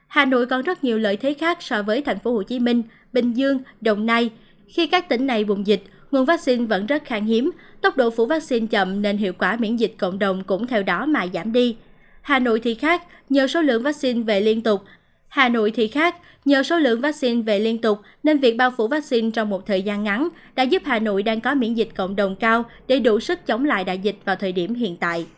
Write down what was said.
hà nội thì khác nhờ số lượng vắc xin về liên tục nên việc bao phủ vắc xin trong một thời gian ngắn đã giúp hà nội đang có miễn dịch cộng đồng cao để đủ sức chống lại đại dịch vào thời điểm hiện tại